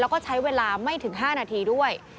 แล้วก็ใช้เวลาไม่ถึง๕นาทีด้วย